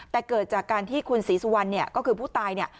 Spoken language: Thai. แต่เกิดจากการที่คุณศรีสุวรรณก็คือผู้ตาย